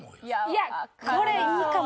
いやこれいいかも。